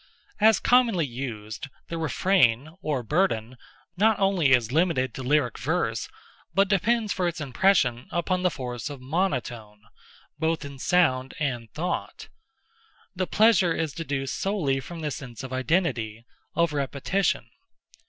As commonly used, the refrain, or burden, not only is limited to lyric verse, but depends for its impression upon the force of monotone—both in sound and thought. The pleasure is deduced solely from the sense of identity—of repetition.